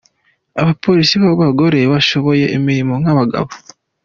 Abapolisi b’abagore bashoboye imirimo nk’ab’abagabo